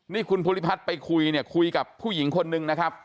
นี่คุณภูริพัฒน์ไปคุยเนี่ยคุยกับผู้หญิงคนนึงนะครับ